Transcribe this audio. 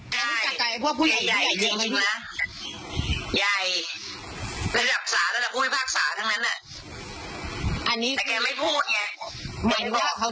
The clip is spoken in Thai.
ได้อย่างนี้แหละพี่